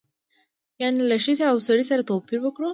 یعنې له ښځې او سړي سره توپیر وکړو.